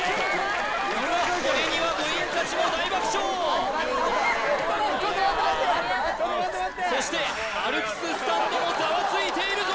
これには部員達も大爆笑そしてアルプススタンドもざわついているぞ